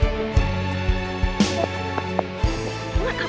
mending gue ga usah gaul